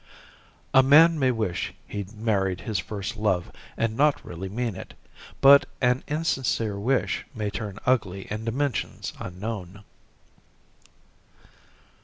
Smith_ A man may wish he'd married his first love and not really mean it. But an insincere wish may turn ugly in dimensions unknown.